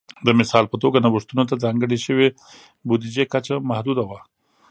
د مثال په توګه نوښتونو ته ځانګړې شوې بودیجې کچه محدوده وه